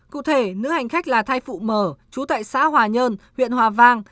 cụ thể nữ hành khách là thai phụ m trú tại xã hòa nhơn huyện hòa vang